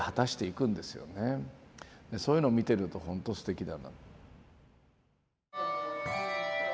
そういうの見てるとほんとすてきだな。